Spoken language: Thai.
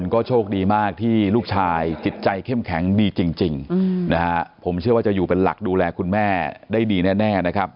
ก็โชคดีมากที่ลูกชายจิตใจเข้มแข็งดีจริงนะฮะผมเชื่อว่าจะอยู่เป็นหลักดูแลคุณแม่ได้ดีแน่นะครับ